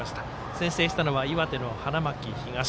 先制したのは岩手の花巻東。